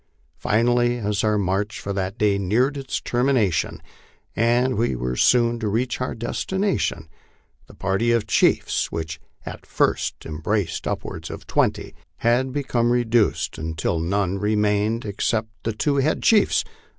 Finally, as our march for that day neared its termination and we were soon to reach our destination, the party of chiefs, which at first em braced upwards of twenty, had become reduced until none remained except the two head chiefs.